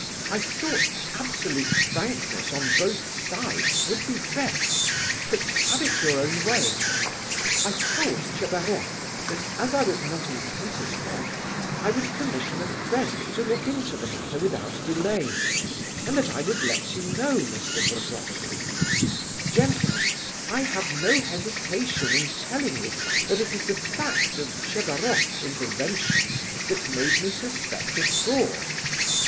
"I thought absolute frankness on both sides would be best, but have it your own way. I told Tchebaroff that, as I was not in Petersburg, I would commission a friend to look into the matter without delay, and that I would let you know, Mr. Burdovsky. Gentlemen, I have no hesitation in telling you that it was the fact of Tchebaroff's intervention that made me suspect a fraud.